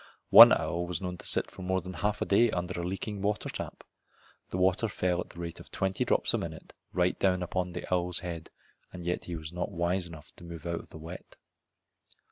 One owl was known to sit for more than a half day under a leaking water tap. The water fell at the rate of twenty drops a minute right down upon the owl's head, and yet he was not wise enough to move out of the wet.